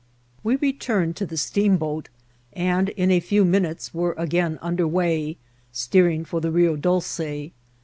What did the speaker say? We returned to the steamboat, and in a few minntes were again under way, steering for the Rio Dolce.